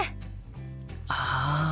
ああ。